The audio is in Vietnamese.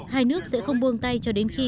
hai nước sẽ không buông tay cho đến khi